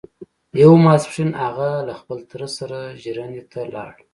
يو ماسپښين هغه له خپل تره سره ژرندې ته لاړ.